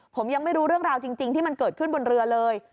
ผมยังไม่รู้เรื่องราวจริงที่มันเกิดขึ้นบนเรือเลย